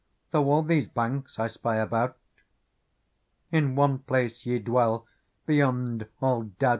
Though all these banks I spy about. In one place ye dwell, be jond all doubt.